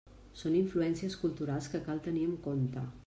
Són influències culturals que cal tenir en compte.